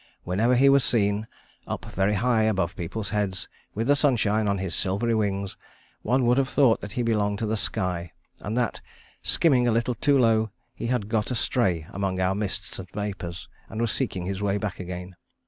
Whenever he was seen, up very high above people's heads, with the sunshine on his silvery wings, one would have thought that he belonged to the sky, and that, skimming a little too low, he had got astray among our mists and vapors, and was seeking his way back again....